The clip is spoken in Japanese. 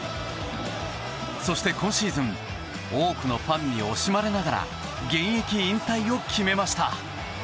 そして、今シーズン多くのファンに惜しまれながら現役引退を決めました。